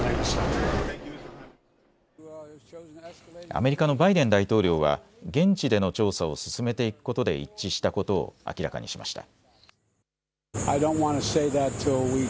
アメリカのバイデン大統領は現地での調査を進めていくことで一致したことを明らかにしました。